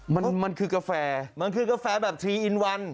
มันมันคือกาแฟมันคือกาแฟแบบทีอินวัน